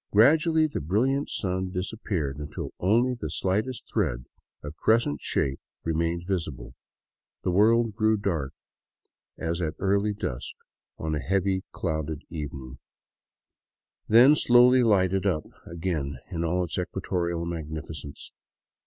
Gradually the brilliant sun disappeared, until only the slightest thread, of crescent shape, remained visible; the world grew dark as at early dusk on a heavily clouded evening, then slowly lighted up again in all its equatorial magnificence.